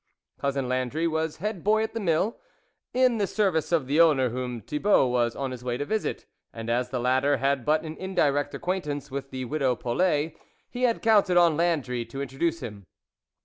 Cousin Landry was head boy at the mill, in the service of the owner whom Thibault was on his way to visit, and as the latter had but an indirect acquaintance with the widow Polet, he had counted on Landry to introduce him.